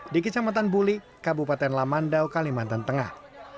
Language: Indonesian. di kecamatan buli kabupaten lamandau kalimantan tengah